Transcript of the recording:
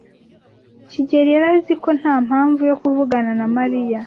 kigeli yari azi ko nta mpamvu yo kuvugana na Mariya.